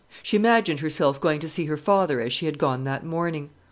She imagined herself going to see her father as she had gone that morning.